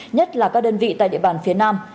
nhất là các đơn vị tại địa bàn phía nam